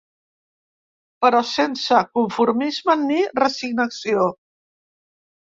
Però sense conformisme ni resignació.